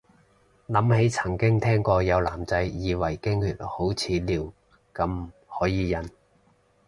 諗起曾經聽過有男仔以為經血好似尿咁可以忍